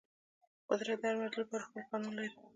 قدرت د هر موجود لپاره خپل قانون لري.